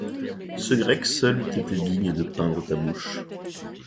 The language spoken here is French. Ce Grec seul eût été digne de peindre ta bouche!